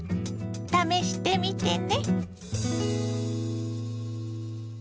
試してみてね。